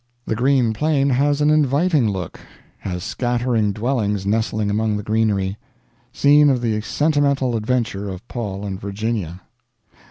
The green plain has an inviting look; has scattering dwellings nestling among the greenery. Scene of the sentimental adventure of Paul and Virginia.